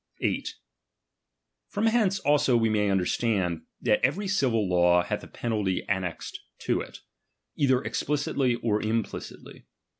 8, From hence also we may understand, that hw^t every civil law hath a penult ij annexed to it, '^^Z''^ pe„aiiy either explicitly or implicitly.